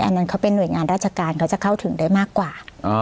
อันนั้นเขาเป็นหน่วยงานราชการเขาจะเข้าถึงได้มากกว่า